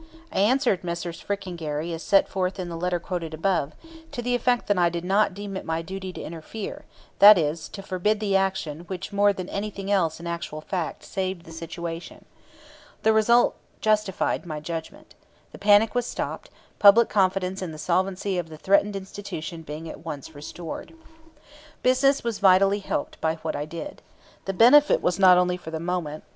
I answered Messrs. Frick and Gary, as set forth in the letter quoted above, to the effect that I did not deem it my duty to interfere, that is, to forbid the action which more than anything else in actual fact saved the situation. The result justified my judgment. The panic was stopped, public confidence in the solvency of the threatened institution being at once restored. Business was vitally helped by what I did. The benefit was not only for the moment.